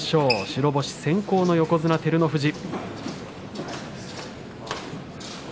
白星先行の横綱照ノ富士。